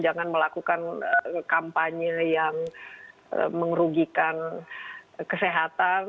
jangan melakukan kampanye yang merugikan kesehatan